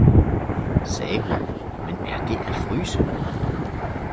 sagde hun, men er det at fryse!